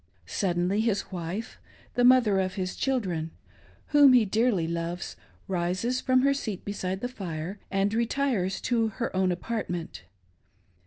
Suddenly his wife — the mother of his children — whom he dearly loves, rises from her seat beside the fire and retires to her own apartment.